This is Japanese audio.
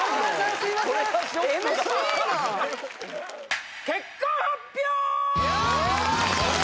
すいませんＭＣの結果発表！